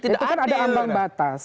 itu kan ada ambang batas